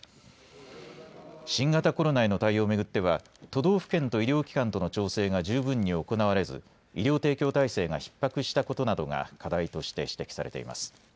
新型コロナへの対応を巡っては都道府県と医療機関との調整が十分に行われず医療提供体制がひっ迫したことなどが課題として指摘されています。